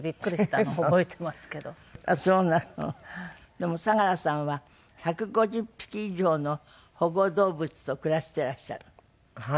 でも佐良さんは１５０匹以上の保護動物と暮らしてらっしゃる那須で。